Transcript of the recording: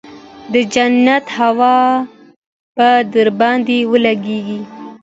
د جنت هوا به درباندې ولګېګي.